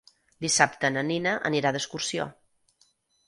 Dissabte na Nina anirà d'excursió.